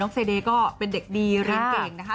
เซเดย์ก็เป็นเด็กดีเรียนเก่งนะคะ